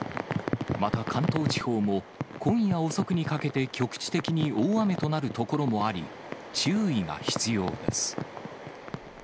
また関東地方も、今夜遅くにかけて局地的に大雨となる所もあり、注意が必要です。